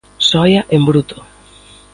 Xoia en bruto.